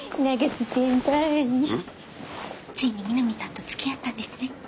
ついに美波さんとつきあったんですね？